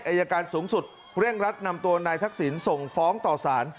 อายการสูงสุดเร่งรัดนำตัวนายทักษิณส่งฟ้องต่อสาร